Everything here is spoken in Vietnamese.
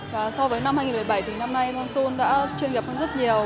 và so với năm hai nghìn một mươi bảy thì năm nay manson đã chuyên nghiệp hơn rất nhiều